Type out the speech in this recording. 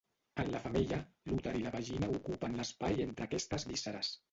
En la femella, l'úter i la vagina ocupen l'espai entre aquestes vísceres.